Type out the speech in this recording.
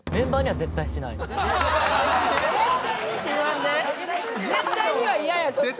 「絶対に」は嫌やちょっと。